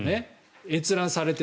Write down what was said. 閲覧されて。